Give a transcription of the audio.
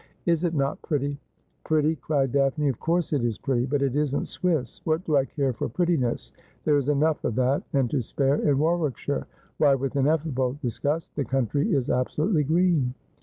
' Is it not pretty ?' 'Pretty,' cried Daphne, 'of course it is pretty ; but it isn't Swiss. What do I care for prettiness ? There is enough of that and to spare in Warwickshire. Why,' with ineffable dis gust, ' the country is absolutely green